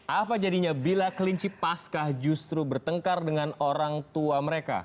apa jadinya bila kelinci pasca justru bertengkar dengan orang tua mereka